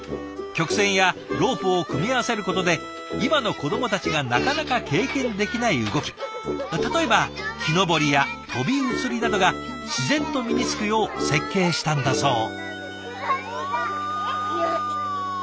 曲線やロープを組み合わせることで今の子どもたちがなかなか経験できない動き例えば木登りや飛び移りなどが自然と身につくよう設計したんだそう。